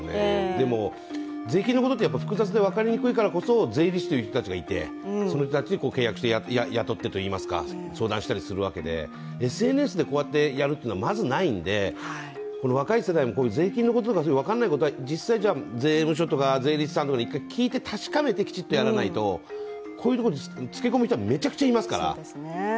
でも、税金のことってやっぱり複雑で分かりにくいからこそ税理士という人がいてその人たちに契約して雇ってといいますか相談したりするわけで、ＳＮＳでこうやってやるというのはまずないので若い世代も税金のことだし分かんないことなら実際、税務署とか税理士さんに聞いて確かめてやらないとこういうところにつけ込む人はめちゃくちゃいますから。